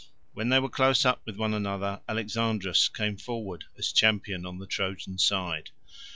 When they were close up with one another, Alexandrus came forward as champion on the Trojan side.